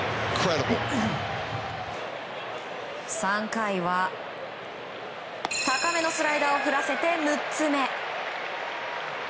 ３回は高めのスライダーを振らせて６つ目。